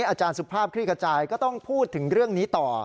อาจารย์สุภาพคลิกกระจายก็ต้องพูดถึงเรื่องนี้ต่อ